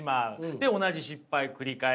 で同じ失敗繰り返す。